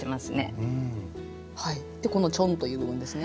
でこのちょんという部分ですね。